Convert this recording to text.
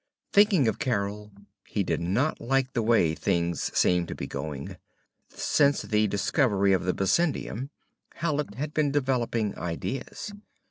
Thinking of Carol, he did not like the way things seemed to be going. Since the discovery of the bessendium, Hallet had been developing ideas.